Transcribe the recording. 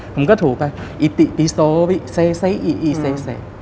ผมก็ถูกไปอิติบิโซวิเซเซอีอิเซเซ